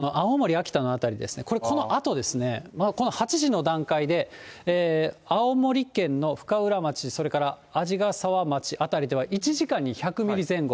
８時の段階では、この青森、秋田の辺りですね、これ、このあとですね、この８時の段階で、青森県の深浦町、それから鯵ヶ沢町辺りでは、１時間に１００ミリ前後。